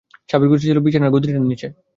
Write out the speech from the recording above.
চাবির গোছা ছিল বিছানার গদিটার নীচে।